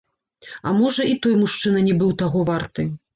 А можа, і той мужчына не быў таго варты.